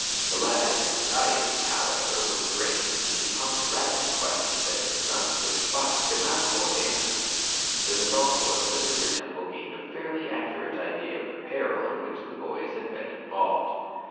The latter's anxiety, however, was great and he pumped rapid questions at his son which Bob could not avoid answering. The result was that Mr. Temple gained a fairly accurate idea of the peril in which the boys had been involved.